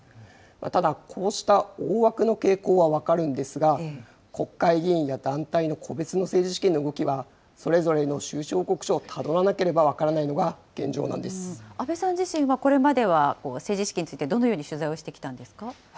ただ、こうした大枠の傾向は分かるんですが、国会議員や団体の個別の政治資金の動きは、それぞれの収支報告書をたどらなければ分からないのが現状なんで阿部さん自身はこれまでは政治資金についてどのように取材をしてきたんですか？